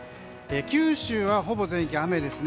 九州はほぼ全域、雨ですね。